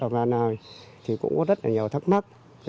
và cũng có rất nhiều thắc mắc